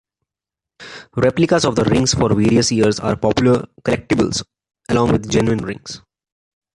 Replicas of the rings for various years are popular collectibles, along with genuine rings.